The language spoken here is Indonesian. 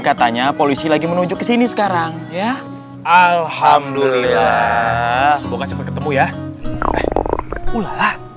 katanya polisi lagi menuju ke sini sekarang ya alhamdulillah semoga cepet ketemu ya